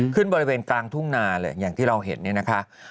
ขึ้นบริเวณกลางทุ่งนาเลยอย่างที่เราเห็นเนี่ยนะคะ